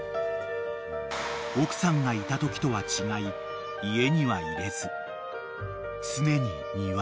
［奥さんがいたときとは違い家には入れず常に庭に］